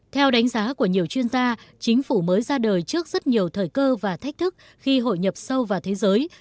theo đánh giá của nhiều chuyên gia chính phủ mới ra đời trước rất nhiều thời cơ và thách thức khi hội nhập sâu vào thế giới